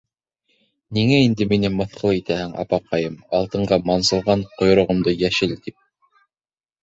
— Ниңә инде мине мыҫҡыл итәһең, апаҡайым, алтынға мансылған ҡойроғомдо йәшел тип...